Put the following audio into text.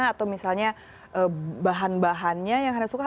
atau misalnya bahan bahannya yang anda suka